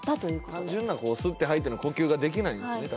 単純な吸って吐いての呼吸ができないんですね。